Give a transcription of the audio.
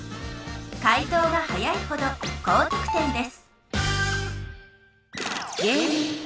かい答が早いほど高得点です